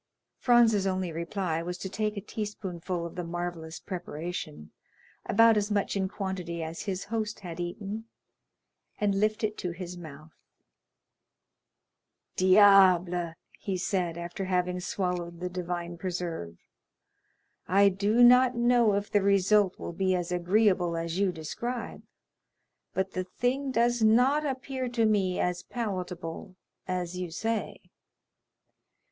Franz's only reply was to take a teaspoonful of the marvellous preparation, about as much in quantity as his host had eaten, and lift it to his mouth. "Diable!" he said, after having swallowed the divine preserve. "I do not know if the result will be as agreeable as you describe, but the thing does not appear to me as palatable as you say."